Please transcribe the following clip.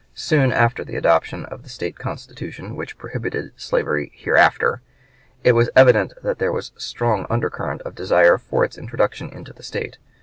Soon after the adoption of the State Constitution, which prohibited slavery "hereafter," it was evident that there was a strong under current of desire for its introduction into the State.